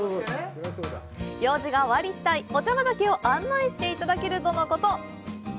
用事が終わり次第、お茶畑を案内していただけるとのこと。